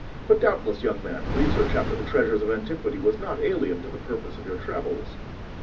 But doubtless, young man, research after the treasures of antiquity was not alien to the purpose of your travels?"